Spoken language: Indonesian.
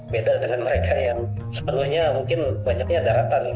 beda dengan mereka yang sepenuhnya mungkin banyaknya daratan